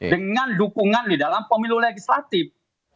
dengan dukungan di dalam pemilu legislatif